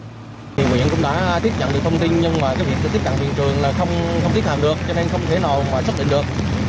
công nhân cũng đã tiếp cận được thông tin nhưng mà cái việc tiếp cận biển trường là không tiếp cận được cho nên không thể nào xác định được